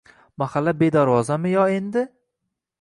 Mahalla bedarvozami yo endi?